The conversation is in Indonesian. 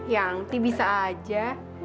ya tante bisa saja